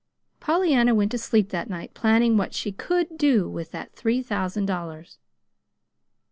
Pollyanna went to sleep that night planning what she COULD do with that three thousand dollars.